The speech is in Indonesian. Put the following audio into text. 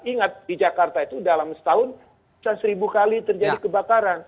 ingat di jakarta itu dalam setahun bisa seribu kali terjadi kebakaran